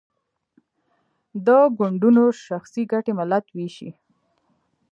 د ګوندونو شخصي ګټې ملت ویشي.